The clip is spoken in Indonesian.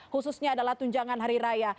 khususnya adalah tunjangan hari raya